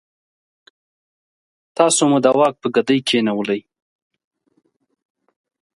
تاسو مو د واک په ګدۍ کېنولئ.